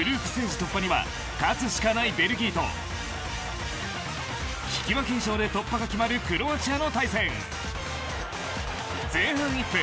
突破には勝つしかないベルギーと引き分け以上で突破が決まるクロアチアの対戦。前半１分。